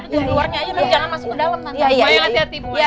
di luarnya aja tante